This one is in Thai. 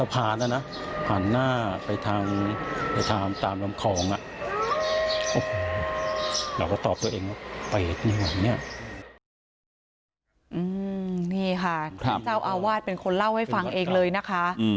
พี่เจ้าอวาดเป็นคนเล่าให้ฟังเองเลยนะคะ